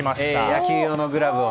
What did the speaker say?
野球用のグラブを。